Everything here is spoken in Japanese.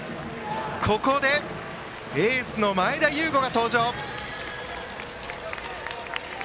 ここでエースの前田悠伍が登場。